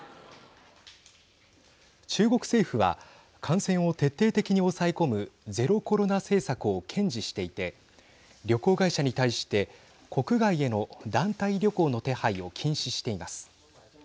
中国政府は感染を徹底的に抑え込むゼロコロナ政策を堅持していて旅行会社に対して国外への団体旅行の手配を禁止しています。